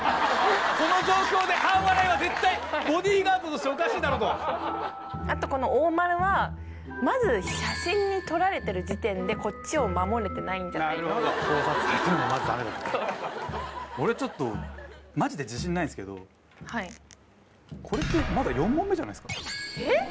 この状況で半笑いは絶対ボディーガードとしておかしいだろうとあとこの大丸はまず写真に撮られてる時点でこっちを守れてないんじゃないのなるほど盗撮されてるのもまずダメだとそう俺ちょっとこれってまだ４問目じゃないっすかえっ？